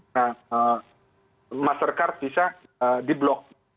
nah mastercard bisa di block